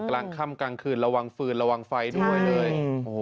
กลางค่ำกลางคืนระวังฟืนระวังไฟด้วยเลย